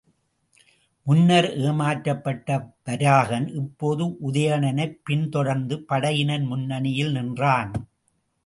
முன்னர் ஏமாற்றப்பட்ட வராகன் இப்போது உதயணனைப் பின்தொடர்ந்த படையினர் முன்னணியில் நின்றான்.